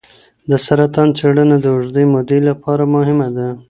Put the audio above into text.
د سرطان څېړنه د اوږدې مودې لپاره مهمه ده.